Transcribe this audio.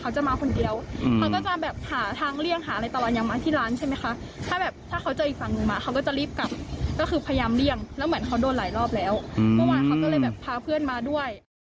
เมื่อวานเขาก็เลยพาเพื่อนมาด้วย